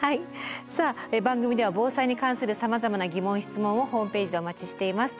さあ番組では防災に関するさまざまな疑問・質問をホームページでお待ちしています。